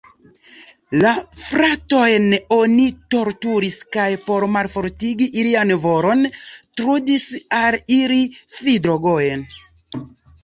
La fratojn oni torturis kaj, por malfortigi ilian volon, trudis al ili fidrogojn.